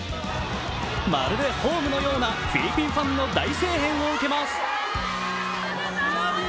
まるでホームのようなフィリピンファンの大声援を受けます。